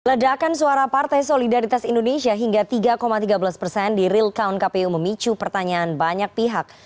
ledakan suara partai solidaritas indonesia hingga tiga tiga belas persen di real count kpu memicu pertanyaan banyak pihak